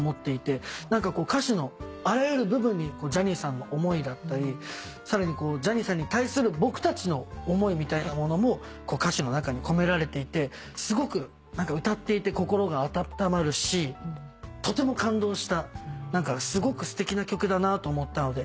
何かこう歌詞のあらゆる部分にジャニーさんの思いだったりさらにジャニーさんに対する僕たちの思いみたいなものも歌詞の中に込められていてすごく歌っていて心が温まるしとても感動したすごくすてきな曲だなと思ったので。